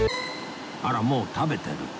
あらもう食べてる